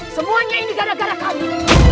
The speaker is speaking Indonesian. semuanya ini gara gara kami